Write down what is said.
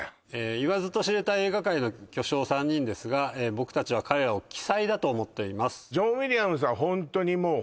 言わずと知れた映画界の巨匠３人ですが僕たちは彼らを奇才だと思っています